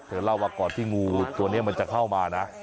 เล่าว่าก่อนที่งูตัวนี้มันจะเข้ามานะ